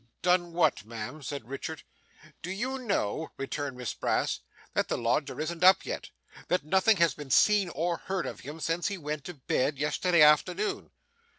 'Done what, ma'am?' said Richard. 'Do you know,' returned Miss Brass, 'that the lodger isn't up yet that nothing has been seen or heard of him since he went to bed yesterday afternoon?